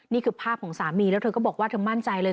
นี่คือภาพของสามีแล้วเธอก็บอกว่าเธอมั่นใจเลย